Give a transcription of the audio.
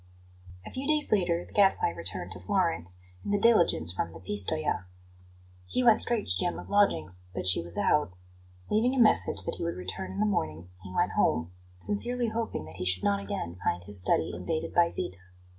A few days later the Gadfly returned to Florence in the diligence from Pistoja. He went straight to Gemma's lodgings, but she was out. Leaving a message that he would return in the morning he went home, sincerely hoping that he should not again find his study invaded by Zita.